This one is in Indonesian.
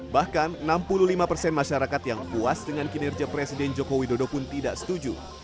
bahkan enam puluh lima persen masyarakat yang puas dengan kinerja presiden joko widodo pun tidak setuju